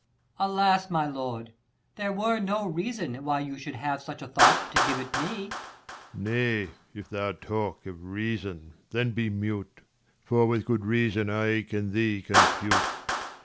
Alas, my lord, there were no reason, why You should have such a thought, to give it me. Leir. Nay, if thou talk of reason, then be mute ; For with good reason I can thee confute.